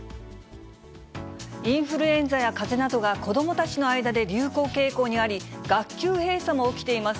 インフルエンザやかぜなどが、子どもたちの間で流行傾向にあり、学級閉鎖も起きています。